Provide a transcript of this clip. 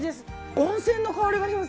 温泉の香りがします。